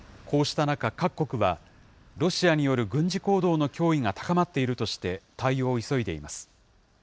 こうした中、各国は、ロシアによる軍事行動の脅威が高まっているとして対応を急いでいます。